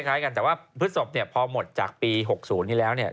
คล้ายกันแต่ว่าพฤศพเนี่ยพอหมดจากปี๖๐นี้แล้วเนี่ย